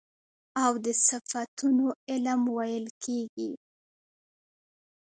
او د صفتونو علم ويل کېږي .